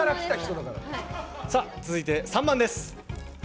続いて、３番です。